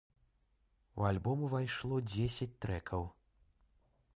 У альбом увайшло дзесяць трэкаў.